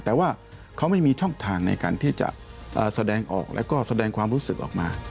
แต่ว่าเขาไม่มีช่องทางในการที่จะแสดงออกแล้วก็แสดงความรู้สึกออกมา